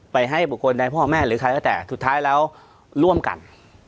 ให้บุคคลใดพ่อแม่หรือใครก็แต่สุดท้ายแล้วร่วมกัน